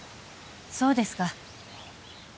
そうですか。